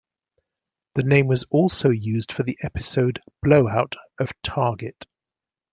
The name was also used for the episode "Blow Out" of "Target".